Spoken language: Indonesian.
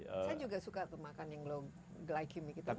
saya juga suka makan yang low gilaikimik